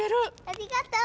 ありがとう！